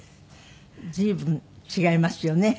随分違いますよね。